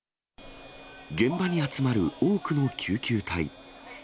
現場に集まる多くの救急隊。